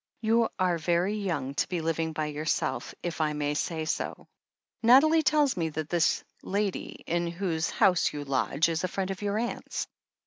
"You are very young to be living by yourself, if I may say so. Nathalie tells me that this lady, in whose house you lodge, is a friend of your aunt's